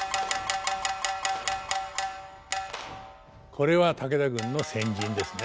これは武田軍の先陣ですね。